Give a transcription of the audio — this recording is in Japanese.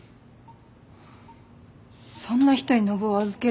そんな人に信男預けるんだ。